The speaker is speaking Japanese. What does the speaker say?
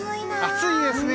暑いですね。